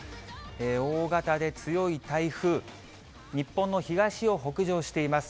大型で強い台風、日本の東を北上しています。